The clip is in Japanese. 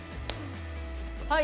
はい。